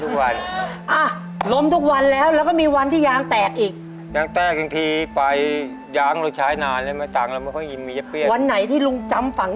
ก็ก็กินแต่มันไม่ได้น้อยไม่คุ้มแค่น้ำมัน